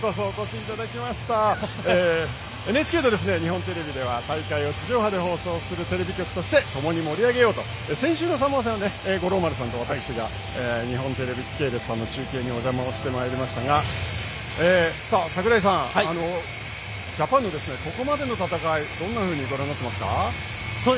ＮＨＫと日本テレビでは大会を地上波で放送するテレビ局としてともに盛り上げようと先週のサモア戦では五郎丸さんと私が日本テレビ系列さんの中継にお邪魔してまいりましたが櫻井さん、ジャパンのここまでの戦いどんなふうにご覧になってますか。